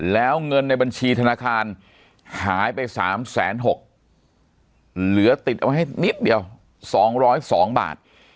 แล้วเงินในบัญชีธนาคารหายไป๓๖๐๐เหลือติดเอาไว้ให้นิดเดียว๒๐๒บาท